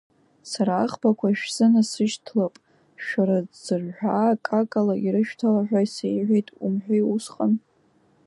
Сара аӷбақәа шәзынасышьҭлап, шәара ӡырҳәаа акакала ирышәҭала ҳәа сеиҳәеит умҳәеи усҟан!